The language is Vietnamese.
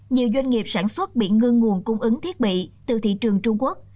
nhiều doanh nghiệp sản xuất bị ngưng nguồn cung ứng thiết bị từ thị trường trung quốc